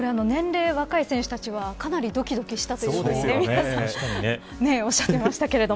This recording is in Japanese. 若い選手たちはかなりドキドキしたと皆さんおっしゃっていました。